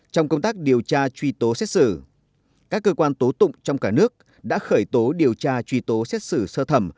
trong công tác điều tra truy tố xét xử các cơ quan tố tụng trong cả nước đã khởi tố điều tra truy tố xét xử sơ thẩm